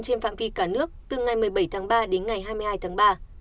trên phạm vi cả nước từ ngày một mươi bảy tháng ba đến ngày hai mươi hai tháng ba